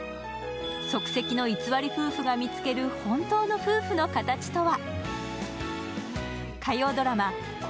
即席の偽り夫婦が見つける本当の夫婦の形とは。